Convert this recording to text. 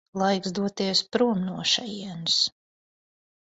Laiks doties prom no šejienes.